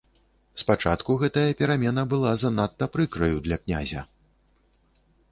Спачатку гэтая перамена была занадта прыкраю для князя.